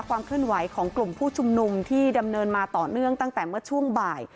ความเคลื่อนไหวของกลุ่มผู้ชุมนุมที่ดำเนินมาต่อเนื่องตั้งแต่เมื่อช่วงบ่าย